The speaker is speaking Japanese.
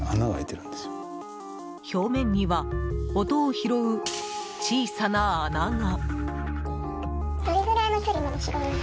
表面には、音を拾う小さな穴が。